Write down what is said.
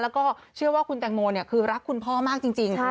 แล้วก็เชื่อว่าคุณแตงโมคือรักคุณพ่อมากจริง